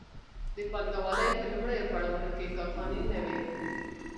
د پانګوالۍ په لومړیو پړاوونو کې کارخانې نه وې.